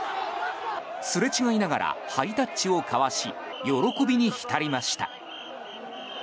すれ違いながらハイタッチを交わし喜びに浸りました。